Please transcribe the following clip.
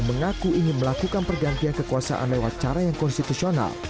mengaku ingin melakukan pergantian kekuasaan lewat cara yang konstitusional